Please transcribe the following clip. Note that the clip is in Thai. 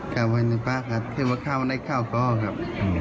คาบไว้ในปากใช่ว่าเขาที่นี่มันคล้าวข้อครับ